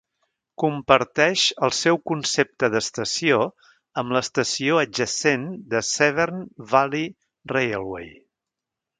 Comparteix el seu concepte d'estació amb l'estació adjacent de Severn Valley Railway.